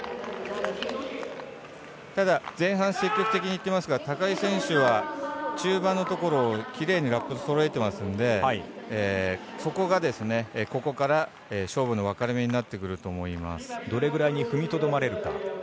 ただ、前半積極的にいってますが高木選手は中盤のところをきれいにラップそろえてますのでそこが、ここから勝負の分かれ目になってくると思います。